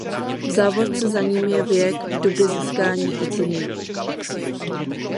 V závorce za ním je věk v době získání ocenění.